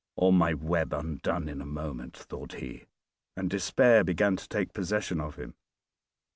"All my web undone in a moment," thought he, and despair began to take possession of him.